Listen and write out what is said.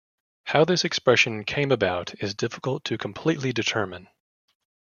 How this expression came about is difficult to completely determine.